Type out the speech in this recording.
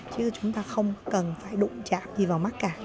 chứ chúng ta không cần phải đụng chạm gì vào mắt cả